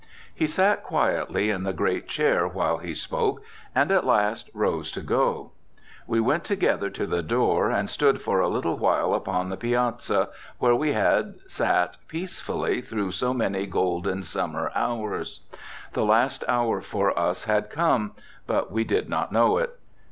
He sat quietly in the great chair while he spoke, and at last rose to go. We went together to the door, and stood for a little while upon the piazza, where we had sat peacefully through so many golden summer hours. The last hour for us had come, but we did not know it.